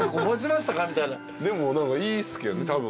でも何かいいっすけどね。